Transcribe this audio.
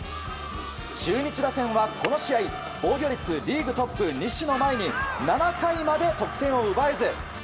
中日打線はこの試合、防御率リーグトップの西の前に７回まで得点を奪えず。